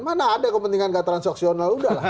mana ada kepentingan gak transaksional